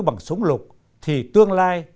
bằng súng lục thì tương lai